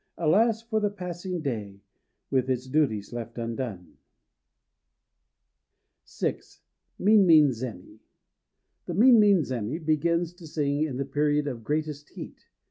Alas, for the passing day, with its duties left undone! VI. "MINMIN" ZÉMI. THE minmin zémi begins to sing in the Period of Greatest Heat.